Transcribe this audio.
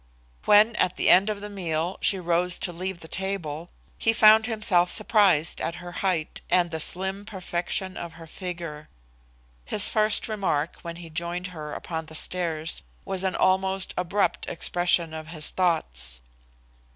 When, at the end of the meal, she rose to leave the table, he found himself surprised at her height and the slim perfection of her figure. His first remark, when he joined her upon the stairs, was an almost abrupt expression of his thoughts.